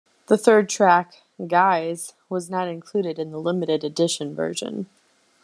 The third track, "Guys", was not included in the limited edition version.